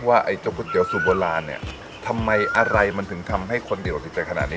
ว่าไอโจ๊กก๋วยเตี๋ยวสูบโบราณเนี้ยทำไมอาไรมันถึงทำให้คนเด็กออกติดใจขนาดนี้